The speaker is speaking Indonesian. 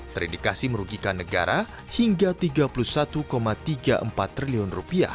terindikasi merugikan negara hingga rp tiga puluh satu tiga puluh empat triliun